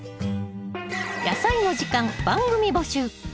「やさいの時間」番組募集。